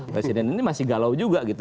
presiden ini masih galau juga gitu